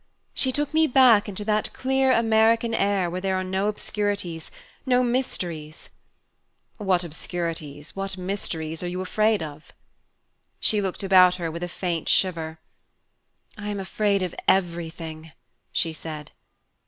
She took me back into that clear American air where there are no obscurities, no mysteries " "What obscurities, what mysteries, are you afraid of?" She looked about her with a faint shiver. "I am afraid of everything!" she said.